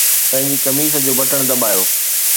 پنهنجي قميص جو بٽڻ دٻايو